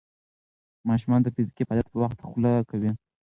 ماشومان د فزیکي فعالیت پر وخت خوله کوي.